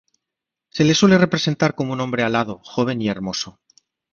Se le suele representar como un hombre alado, joven y hermoso.